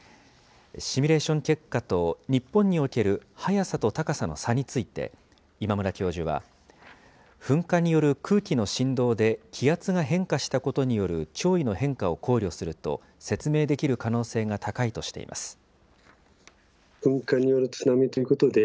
シミュレーション結果と、日本における早さと高さの差について、今村教授は、噴火による空気の振動で気圧が変化したことによる潮位の変化を考慮すると説明できる可能性が高いとしています。